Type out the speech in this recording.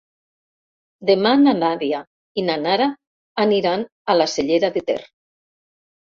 Demà na Nàdia i na Nara aniran a la Cellera de Ter.